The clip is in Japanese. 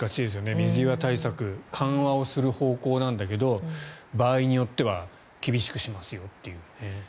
水際対策緩和をする方向だけど場合によっては厳しくしますよという。